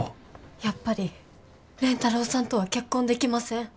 やっぱり蓮太郎さんとは結婚できません。